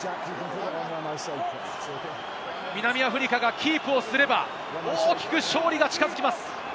南アフリカがキープをすれば、大きく勝利が近づきます。